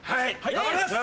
頑張ります！